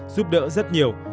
giúp đỡ rất nhiều